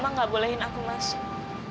mama enggak bolehin aku masuk